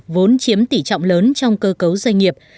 vốn chiếm tỷ trọng lớn trong cơ cấu doanh nghiệp